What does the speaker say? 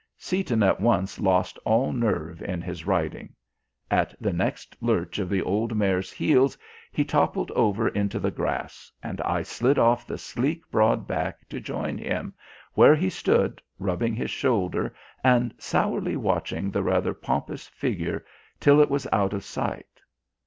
Seaton at once lost all nerve in his riding. At the next lurch of the old mare's heels he toppled over into the grass, and I slid off the sleek broad back to join him where he stood, rubbing his shoulder and sourly watching the rather pompous figure till it was out of sight.